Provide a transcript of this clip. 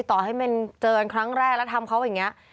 ต่อให้มันเจอกันครั้งแรกแล้วทำเขาอย่างนี้